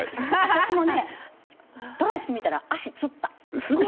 私もトライしてみたら足、つった。